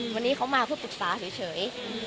วันนี้เขามาเพื่อปรึกษาเฉย